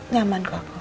nyaman kok aku